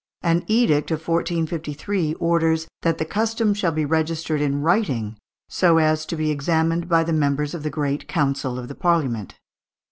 An edict of 1453 orders that "the custom shall be registered in writing, so as to be examined by the members of the great council of the Parliament."